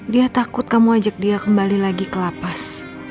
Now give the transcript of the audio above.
dia takut kamu ajak dia kembali lagi ke lapas